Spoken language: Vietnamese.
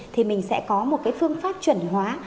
thì mình sẽ có một phương pháp chuẩn hóa